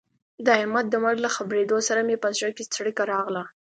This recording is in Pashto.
د احمد د مرګ له خبرېدو سره مې په زړه کې څړیکه راغله.